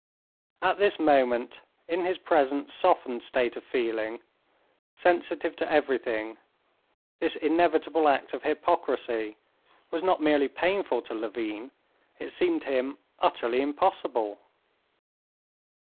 At this moment, in his present softened state of feeling, sensitive to everything, this inevitable act of hypocrisy was not merely painful to Levin, it seemed to him utterly impossible.